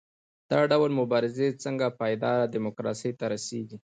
دا ډول مبارزې څنګه پایداره ډیموکراسۍ ته رسیږي؟